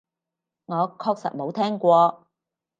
我確實冇聽過